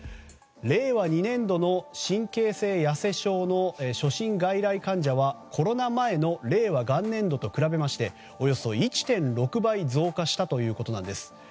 令和２年度の神経性やせ症の初診外来患者は、コロナ前の令和元年度と比べましておよそ１．６倍増加したということです。